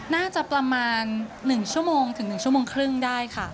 น่าจะประมาณ๑ชั่วโมงถึง๑ชั่วโมงครึ่งได้ค่ะ